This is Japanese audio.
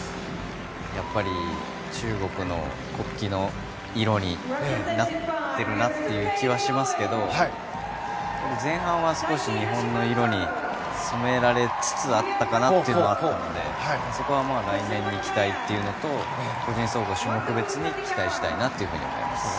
やっぱり中国の国旗の色になっているなという気はしますけど前半は少し日本の色に染められつつあったかなとも思うのでそこは来年に期待というのと個人総合、種目別に期待したいなと思います。